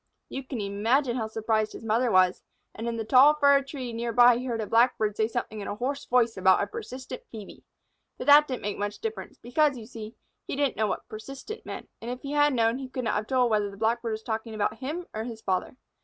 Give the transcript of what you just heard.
You can imagine how surprised his mother was. And in the tall fir tree near by he heard a Blackbird say something in a hoarse voice about a persistent Phœbe. But that didn't make much difference, because, you see, he didn't know what "persistent" meant, and if he had known he could not have told whether the Blackbird was talking about him or about his father.